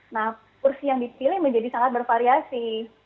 nah kursi yang dipilih menjadi sangat bervariasi